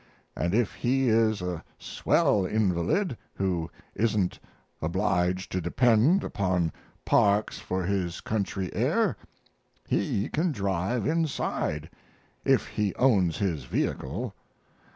And if he is a swell invalid who isn't obliged to depend upon parks for his country air he can drive inside if he owns his vehicle.